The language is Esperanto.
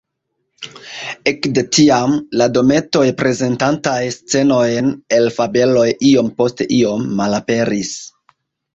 Ekde tiam, la dometoj prezentantaj scenojn el fabeloj iom post iom malaperis.